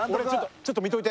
ちょっと見といて。